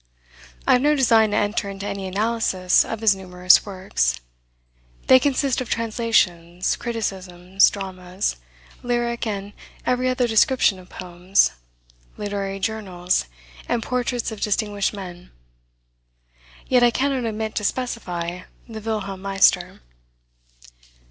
I have no design to enter into any analysis of his numerous works. They consist of translations, criticisms, dramas, lyric and every other description of poems, literary journals, and portraits of distinguished men. Yet I cannot omit to specify the Wilhelm Meister.